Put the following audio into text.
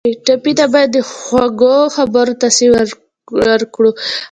ټپي ته باید د خوږو خبرو تاثیر ورکړو.